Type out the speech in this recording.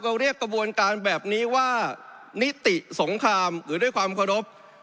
เรียกกระบวนการแบบนี้ว่านิติสงครามหรือด้วยความเคารพ